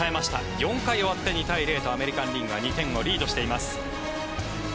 ４回終わって２対０とアメリカン・リーグがリードをしております。